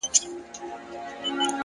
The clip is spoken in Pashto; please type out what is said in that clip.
هره هڅه ارزښت رامنځته کوي،